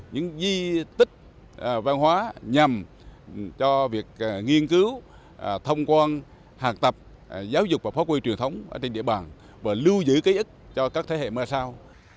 những di tích văn hóa nhằm cho việc nghiên cứu thông quan hạt tập giáo dục và phát huy truyền thống trên địa bàn và lưu giữ ký ức cho các thế hệ mơ sao